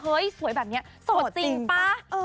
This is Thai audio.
เฮ้ยสวยแบบเนี้ยโสดจริงปะ